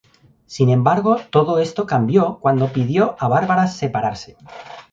Sin embargo, todo esto cambió cuando pidió a Barbara separarse.